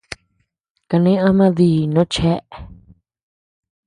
Kane ama ndií no chéa.